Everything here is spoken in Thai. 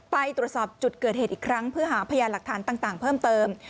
ไปตรวจสอบจุดเกิดเหตุอีกครั้งเพื่อหาพยานหลักฐานต่างเพิ่มเติม